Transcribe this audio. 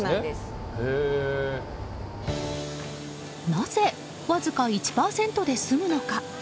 なぜ、わずか１％で済むのか。